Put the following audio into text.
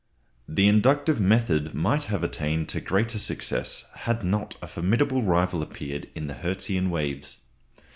The inductive method might have attained to greater successes had not a formidable rival appeared in the Hertzian waves.